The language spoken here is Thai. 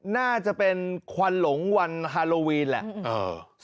น่าจะเป็นควันหลงวันฮาโลวีนแหละ